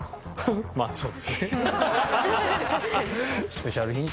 まあそうですね。